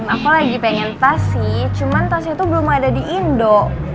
aku lagi pengen tas sih cuman tasnya tuh belum ada di indo